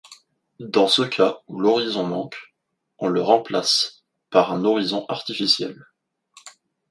Dans ce cas où l’horizon manque, on le remplace par un horizon artificiel.